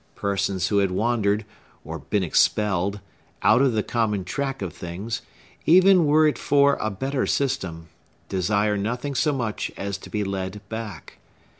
Persons who have wandered, or been expelled, out of the common track of things, even were it for a better system, desire nothing so much as to be led back.